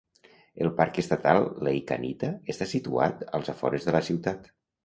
El parc estatal Lake Anita està situat als afores de la ciutat.